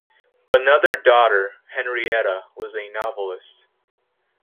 Another daughter, Henrietta, was a novellist.